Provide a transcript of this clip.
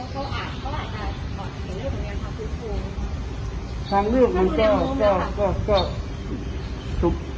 ทางเลือกมันก็